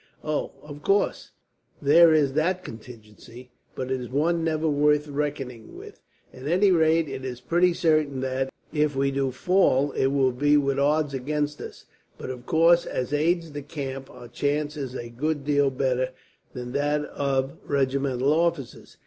"Oh! Of course, there is that contingency, but it is one never worth reckoning with. At any rate, it is pretty certain that, if we do fall, it will be with odds against us; but of course, as aides de camp our chance is a good deal better than that of regimental officers.